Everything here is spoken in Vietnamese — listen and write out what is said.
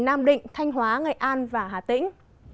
nam định thanh hóa ngày an và hà tĩnh